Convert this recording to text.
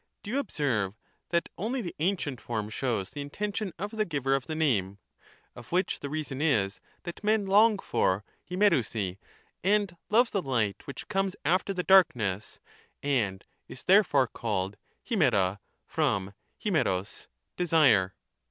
Do you observe that only the ancient form shows the intention of the giver of the name? of which the reason is, that men long for {Ifieipnvai) and love the light which comes after the darkness, and is therefore called in^pa, from iiu:pog desire.